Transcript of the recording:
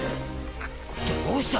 どうした？